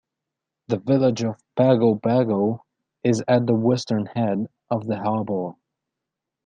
The village of Pago Pago is at the western head of the harbor.